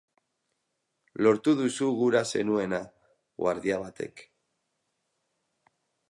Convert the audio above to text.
Lortu duzu gura zenuena!, guardia batek.